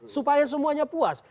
supaya semuanya puas